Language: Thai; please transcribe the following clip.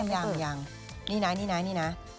ยังยังนี่นะนี่นะนี่นะ